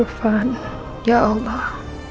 irfan ya allah